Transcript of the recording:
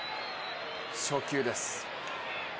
初球です。